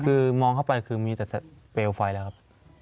คือมองเข้าไปคือมีแต่เปลวไฟแล้วครับ